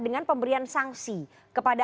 dengan pemberian sanksi kepada